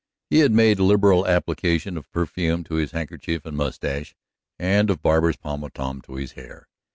He had made liberal application of perfume to his handkerchief and mustache, and of barber's pomatum to his hair.